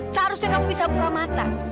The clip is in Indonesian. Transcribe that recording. seharusnya kamu bisa buka mata